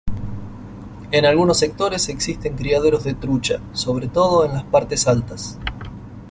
En algunos sectores existen criaderos de trucha sobre todo en las partes altas.